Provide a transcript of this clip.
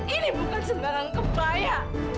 ini bukan sembarangan kebaya